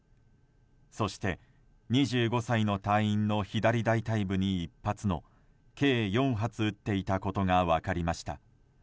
そして、２５歳の隊員の左大腿部に１発の計４発撃っていたことが分かりました。